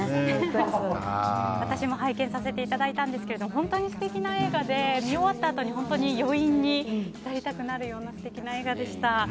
私も拝見させていただいたんですが本当に素敵な映画で見終わったあとに本当に余韻に浸りたくなるような素敵な映画でした。